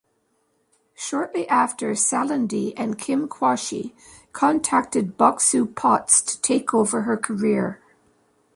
Shortly after, Salandy and Kim Quashie contacted Boxu Potts to take over her career.